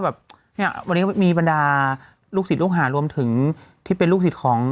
แบบเนี่ยวันนี้ก็มีบรรดาลูกศิษย์ลูกหารวมถึงที่เป็นลูกศิษย์ของ